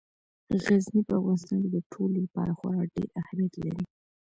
غزني په افغانستان کې د ټولو لپاره خورا ډېر اهمیت لري.